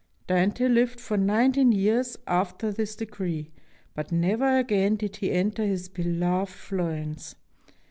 Dante lived for nineteen years after this decree, but never again did he enter his beloved Florence.